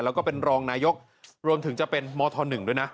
แล้วก็เป็นรองนายกรวมถึงจะเป็นมธ๑ด้วยนะ